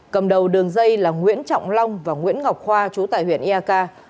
cầm đầu đường dây là nguyễn trọng long và nguyễn ngọc khoa trú tại huyện ia ca